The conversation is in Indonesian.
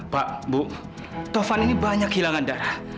pak bu taufan ini banyak hilangan darah